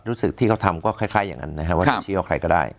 รู้สึกที่เขาทำก็คล้ายอย่างนั้นนะครับว่าจะเชื่อใครก็ได้